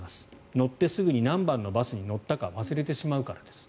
乗ってすぐに何番のバスに乗ったか忘れてしまうからです。